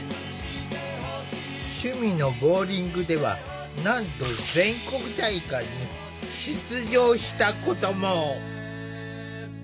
趣味のボウリングではなんと全国大会に出場したことも。